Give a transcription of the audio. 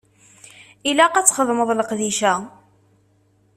Ilaq ad txedmeḍ leqdic-a.